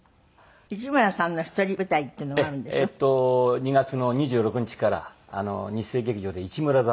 ２月の２６日から日生劇場で『市村座』。